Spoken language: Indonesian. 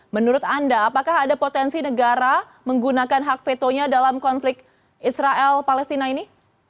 menurut anda apakah ada potensi negara menggunakan hak vetonya dalam konflik israel palestina ini